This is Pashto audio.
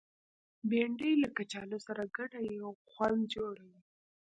بېنډۍ له کچالو سره ګډه یو خوند جوړوي